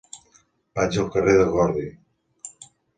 Vaig al carrer de Gordi.